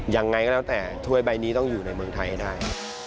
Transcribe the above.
ยังไงก็แล้วแต่ถ้วยใบนี้ต้องอยู่ในเมืองไทยให้ได้